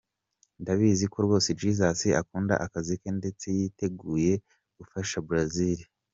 Ndabizi ko Jesus akunda akazi ke ndetse yiteguye gufasha Brazil.